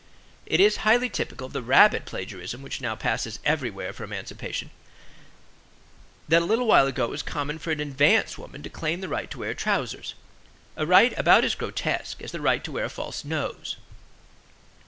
It is highly typical of the rabid plagiarism which now passes everywhere for emancipation, that a little while ago it was common for an "advanced" woman to claim the right to wear trousers; a right about as grotesque as the right to wear a false nose.